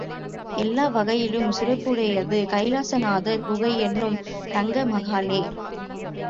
எல்லா வகையிலும் சிறப்புடையது கைலாசநாதர் குகை என்னும் ரங்கமகாலே.